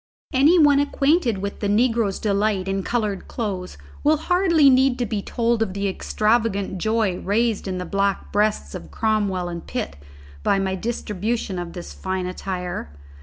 Any one acquainted with the negro's delight in coloured clothes will hardly need to be told of the extravagant joy raised in the black breasts of Cromwell and Pitt by my distribution of this fine attire.